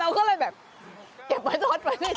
เราก็เลยแบบเก็บประโยชน์ไว้ด้วย